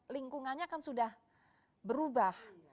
lingkungannya kan sudah berubah